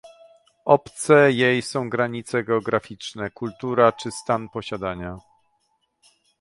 Obce jej są granice geograficzne, kultura czy stan posiadania